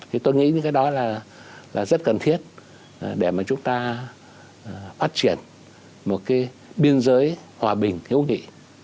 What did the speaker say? thì tôi nghĩ những cái đó là rất cần thiết để mà chúng ta phát triển một cái biên giới hòa bình hữu nghị